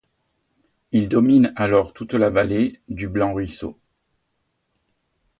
Il domine alors toute la vallée du Blanc Ruisseau.